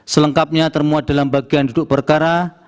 selengkapnya termuat dalam bagian duduk perkara